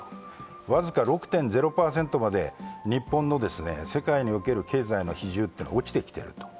わずか６．０％まで日本の世界に置ける比重は落ちてきている。